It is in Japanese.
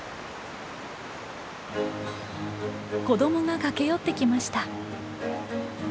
子どもが駆け寄ってきました。